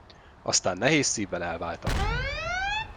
Aztán nehéz szívvel elváltak.